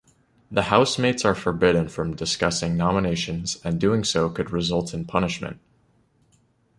The housemates are forbidden from discussing nominations, and doing so could result in punishment.